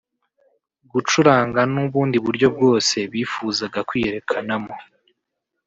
gucuranga n’ubundi buryo bwose bifuzaga kwiyerekanamo